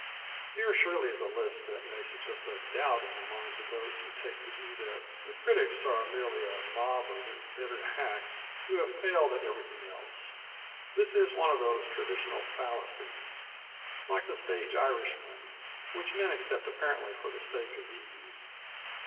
Here surely is a list that may suggest a doubt in the minds of those who take the view that the critics are merely a mob of embittered hacks who have failed at everything else. This is one of those traditional fallacies, like the stage Irishman, which men accept apparently for the sake of ease.